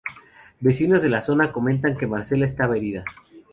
Vecinos de la zona comentan que Marcela estaba herida.